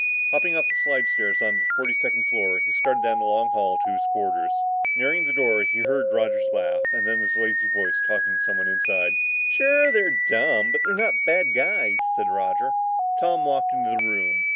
Hopping off the slidestairs onto the forty second floor, he started down the long hall to his quarters. Nearing the door, he heard Roger's laugh, and then his lazy voice talking to someone inside. "Sure, they're dumb, but they're not bad guys," said Roger. Tom walked into the room.